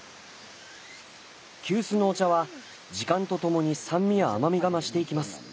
急須のお茶は時間とともに酸味や甘みが増していきます。